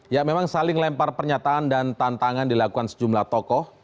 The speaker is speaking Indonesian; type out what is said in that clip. ya memang saling lempar pernyataan dan tantangan dilakukan sejumlah tokoh